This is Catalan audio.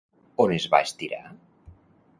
On es va estirar?